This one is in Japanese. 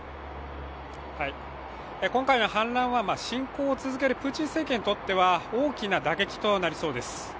今回の反乱は侵攻を続けるプーチン政権にとっては大きな打撃となりそうです。